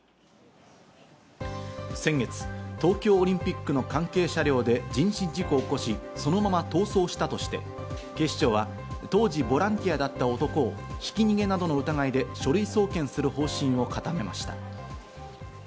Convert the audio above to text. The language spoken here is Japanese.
先月、東京オリンピックの関係車両で人身事故を起こし、そのまま逃走したとして、警視庁は当時、ボランティアだった男をひき逃げなどの疑いで書類送検する方針を固めました。